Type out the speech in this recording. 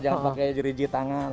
jangan pakai jeriji tangan